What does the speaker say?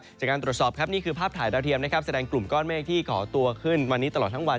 จากการตรวจสอบครับนี่คือภาพถ่ายดาวเทียมนะครับแสดงกลุ่มก้อนเมฆที่ก่อตัวขึ้นวันนี้ตลอดทั้งวัน